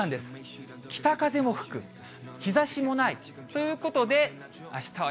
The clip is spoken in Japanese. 北風も吹く、日ざしもないということで、あしたは、